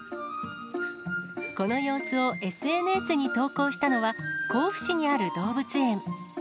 この様子をＳＮＳに投稿したのは、甲府市にある動物園。